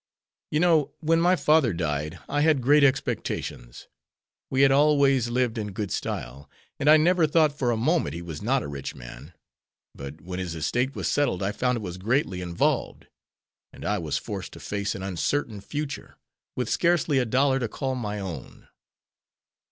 You know, when my father died I had great expectations. We had always lived in good style, and I never thought for a moment he was not a rich man, but when his estate was settled I found it was greatly involved, and I was forced to face an uncertain future, with scarcely a dollar to call my own.